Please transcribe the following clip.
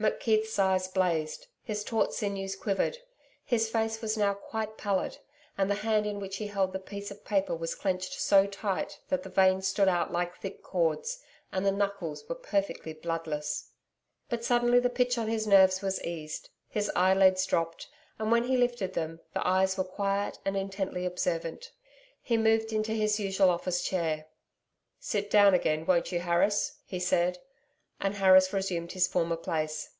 McKeith's eyes blazed, his taut sinews quivered; his face was now quite pallid, and the hand in which he held the piece of paper was clenched so tight that the veins stood out like thick cords, and the knuckles were perfectly bloodless. But suddenly the pitch on his nerves was eased. His eyelids dropped, and when he lifted them, the eyes were quiet and intently observant. He moved into his usual office chair. 'Sit down again, won't you, Harris?' he said, and Harris resumed his former place.